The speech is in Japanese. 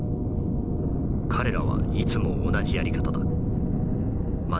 彼らはいつも同じやり方だ。